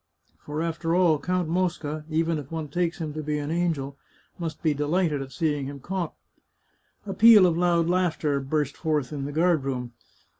For, after all. Count Mosca, even if one takes him to be an angel, must be delighted at seeing him caught." A peal of loud laughter burst forth in the guard room.